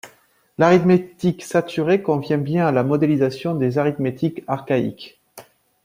L'arithmétique saturée convient bien à la modélisation des arithmétiques archaïques.